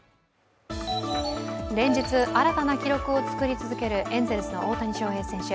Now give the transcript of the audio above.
連日、新たな記録を作り続けるエンゼルスの大谷翔平選手。